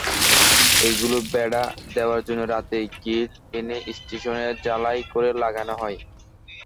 এগুলো বেড়া দেওয়ার জন্য রাতেই গ্রিল এনে স্টেশনেই ঝালাই করে লাগানো হয়।